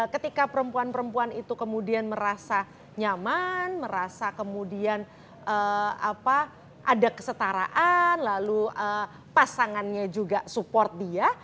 ketika perempuan perempuan itu kemudian merasa nyaman merasa kemudian ada kesetaraan lalu pasangannya juga support dia